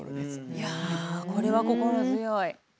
いやこれは心強い。